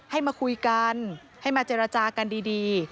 ให้มาคุยกันให้มาเจรจากันดี